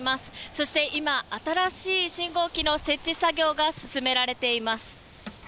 そして今、新しい信号機の設置作業が進められています。